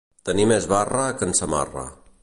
Tenir més barra que en Samarra.